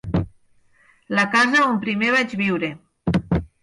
La casa on primer vaig viure.